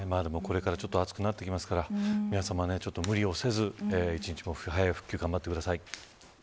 これから暑くなってきますから皆さま、無理をせず一日も早い復旧頑張ってください。